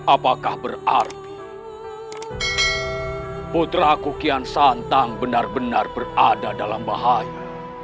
apakah berarti putraku kian santa benar benar berada dalam bahaya